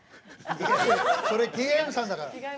それゴルゴさんだから。